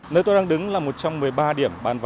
nơi tôi đang đứng là một trong một mươi ba điểm bán vé